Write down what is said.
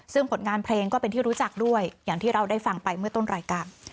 ซึ่งผลงานเพลงก็เป็นที่รู้จักด้วยอย่างที่เราได้ฟังไปเมื่อต้นรายการ